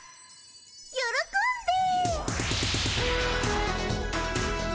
「よろこんで」。